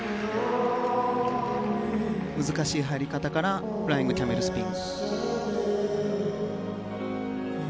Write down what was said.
難しい入り方からフライングキャメルスピン。